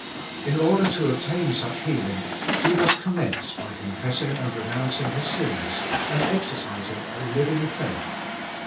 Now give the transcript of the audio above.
In order to obtain such healing, he must commence by confessing and renouncing his sins, and exercising a living faith.